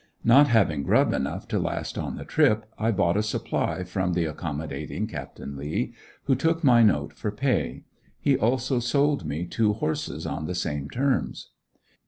Not having grub enough to last on the trip I bought a supply from the accommodating Capt. Lea, who took my note for pay. He also sold me two horses on the same terms.